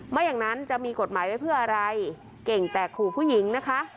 ไม่อย่างนั้นจะมีกฎหมายไว้เพื่ออะไรเก่งแต่ขู่ผู้หญิงนะคะ